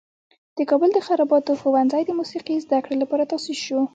د کابل د خراباتو ښوونځی د موسیقي زده کړې لپاره تاسیس شو.